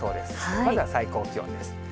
まずは最高気温です。